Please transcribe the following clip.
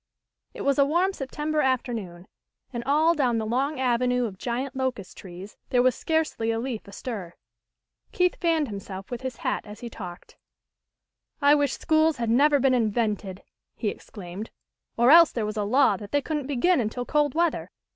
It was a warm September afternoon, and all down the long avenue of giant locust trees there was scarcely a leaf astir. Keith fanned himself with his hat as he talked. "I wish schools had never been invented," he exclaimed, "or else there was a law that they couldn't begin until cold weather.